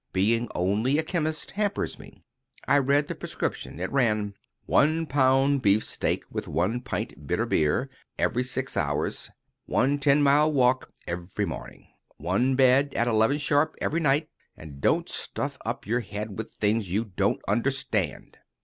Being only a chemist hampers me." I read the prescription. It ran: "1 lb. beefsteak, with 1 pt. bitter beer every 6 hours. 1 ten mile walk every morning. 1 bed at 11 sharp every night. And don't stuff up your head with things you don't understand."